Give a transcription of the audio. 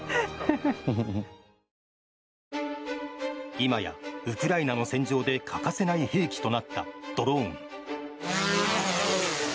今やウクライナの戦場で欠かせない兵器となったドローン。